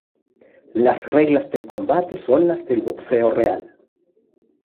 Las reglas del combate son las del boxeo real.